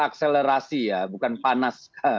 terakselerasi ya bukan panas